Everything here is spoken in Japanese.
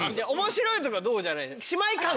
面白いとかどうじゃない。